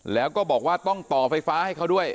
แล้วก็บอกว่าต้องต่อไฟฟ้าให้เขาด้วย